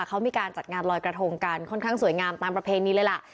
เขามีการจัดงานลอยกระทงกันค่อนข้างสวยงามตามประเพณีเลยล่ะ